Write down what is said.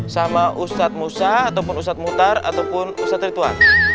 sama ustadz musa ustadz mutar atau ustadz rituan